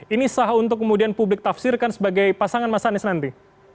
ini sah untuk kemudian publik tafsirkan sebagai pasangan mas anies nanti